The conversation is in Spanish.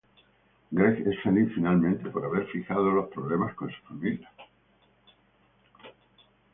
Greg es feliz finalmente por haber fijado los problemas con su familia.